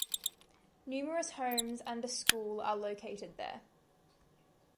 Numerous homes and a school are located there.